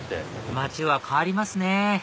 街は変わりますね